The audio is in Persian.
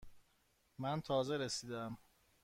من تازه رسیده ام.